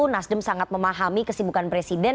nasdem sangat memahami kesibukan presiden